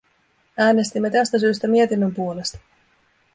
Äänestimme tästä syystä mietinnön puolesta.